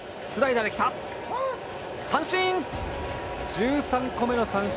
１３個目の三振。